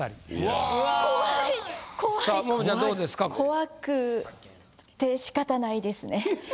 怖くて仕方ないですね。